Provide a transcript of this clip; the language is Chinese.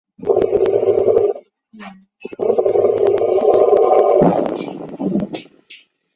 而多名议员书面质询气象局悬挂风球标准。